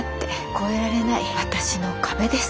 越えられない私の壁です。